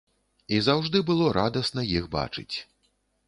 І заўжды было радасна іх бачыць.